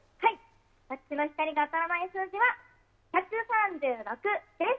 私の光が当たらないスゴイ数字１３６です。